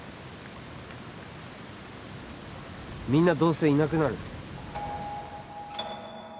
みんなどうせいなくなる